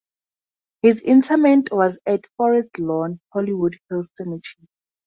His interment was at Forest Lawn - Hollywood Hills Cemetery.